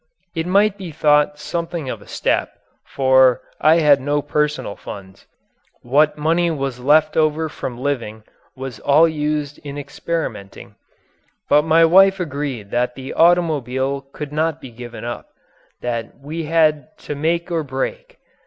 It might be thought something of a step, for I had no personal funds. What money was left over from living was all used in experimenting. But my wife agreed that the automobile could not be given up that we had to make or break.